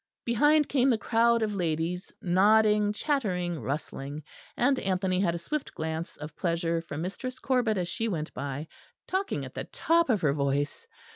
Behind came the crowd of ladies, nodding, chattering, rustling; and Anthony had a swift glance of pleasure from Mistress Corbet as she went by, talking at the top of her voice.